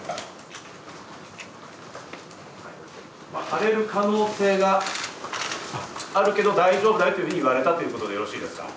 荒れる可能性があるけど、大丈夫だよというふうに言われたということでよろしいでしょうか。